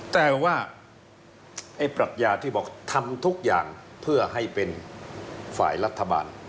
แต่ว่าไอ้ปรัชญาที่บอกทำทุกอย่างเพื่อให้เป็นฝ่ายรัฐบาล